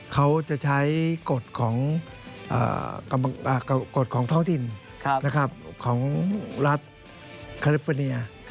เขาจะใช้กฎของกฎของท้องถิ่นของรัฐคาลิฟเฟอร์เนีย